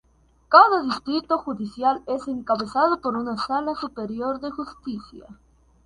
Cada distrito judicial es encabezado por una Sala Superior de Justicia.